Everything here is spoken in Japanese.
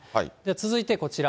続いてこちら。